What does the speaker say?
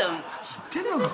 知ってんのか？